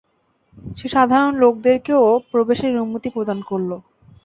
সে সাধারণ লোকদেরকেও প্রবেশের অনুমতি প্রদান করল।